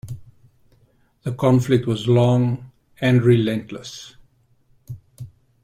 The conflict was long and relentless.